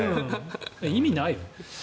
意味ないよね。